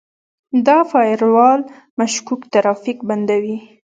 دا فایروال مشکوک ترافیک بندوي.